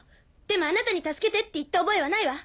でもあなたに助けてって言った覚えはないわ。